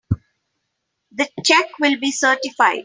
The check will be certified.